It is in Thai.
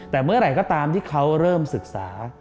แต่เมื่อไหร่ก็ตามที่เขาเริ่มศึกษา